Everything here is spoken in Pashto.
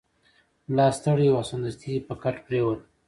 ملا ستړی و او سمدستي په کټ پریوت.